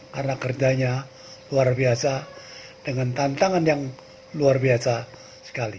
karena kerjanya luar biasa dengan tantangan yang luar biasa sekali